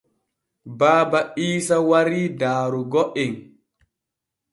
Baaba Iisa warii daarugo en.